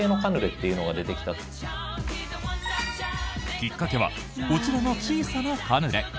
きっかけはこちらの小さなカヌレ。